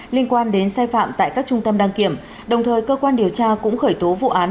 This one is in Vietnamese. liên quan đến sai phạm tại các trung tâm đăng kiểm đồng thời cơ quan điều tra cũng khởi tố vụ án